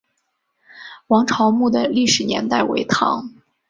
王潮墓的历史年代为唐。